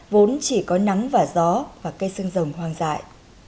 vốn chỉ có nắng và gió và cây sương rồng hoang dại